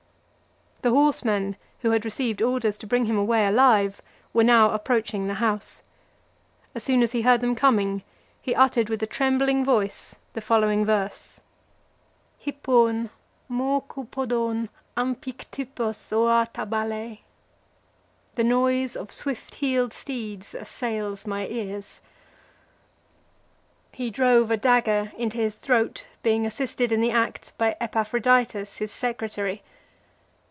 The horsemen who had received orders to bring him away alive, were now approaching the house. As soon as he heard them coming, he uttered with a trembling voice the following verse, Hippon m' okupodon amphi ktupos ouata ballei; The noise of swift heel'd steeds assails my ears; he drove a dagger into his throat, being assisted in the act by Epaphroditus, his secretary.